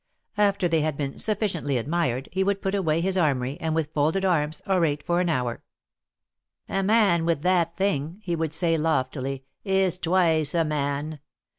After they had been sufficiently admired, he would put away his armory, and with folded arms orate for an hour. man with that thing," he would say, loftily, " is twice a man.